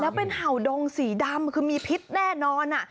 แล้วเป็นเห่าดงสีดำคือมีพิษแน่นอน